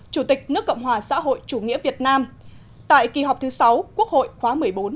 chủ tịch nước cộng hòa xã hội chủ nghĩa việt nam tại kỳ họp thứ sáu quốc hội khóa một mươi bốn